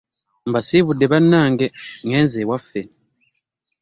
Mbasibudde bannanege ngeze ewaffe .